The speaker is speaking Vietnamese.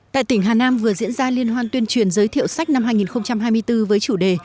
tại tỉnh hà nam vừa diễn ra liên hoan tuyên truyền giới thiệu sách năm hai nghìn hai mươi bốn với chủ đề